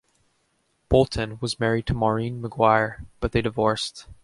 Bolton was married to Maureen McGuire, but they divorced.